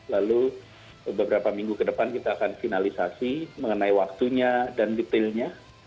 lalu beberapa minggu ke depan kita akan finalisasi mengenai waktunya dan detailnya